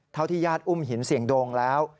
เท่าที่ญาติอุ้มหินเสียงดวงแล้ว